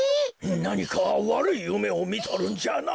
なにかわるいゆめをみとるんじゃな。